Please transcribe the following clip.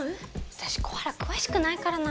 私コアラ詳しくないからな。